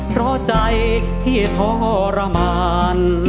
เพราะใจที่ทรมาน